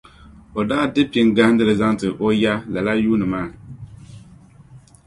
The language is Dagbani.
O daa di pin gahindili zaŋ ti o ya lala yuuni maa.